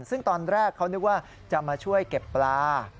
ซึ่งตอนแรกเขานึกว่าจะมาช่วยเก็บปลา